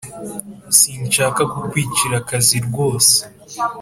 Sinshaka kukwicira akazi rwose